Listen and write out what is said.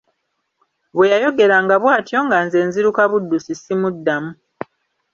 Bwe yayogeranga bw'atyo nga nze nziruka buddusi si muddamu.